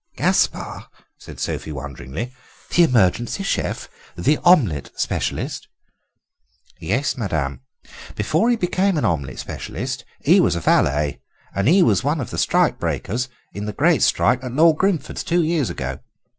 "Gaspare?" said Sophie wanderingly; "the emergency chef! The omelette specialist!" "Yes, madame. Before he became an omelette specialist he was a valet, and he was one of the strike breakers in the great strike at Lord Grimford's two years ago.